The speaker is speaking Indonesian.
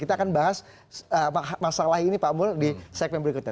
kita akan bahas masalah ini pak mul di segmen berikutnya